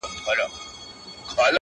او د ټولني د فکر په ژورو کي ژوند کوي